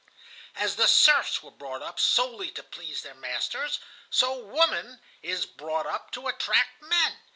"As the serfs were brought up solely to please their masters, so woman is brought up to attract men.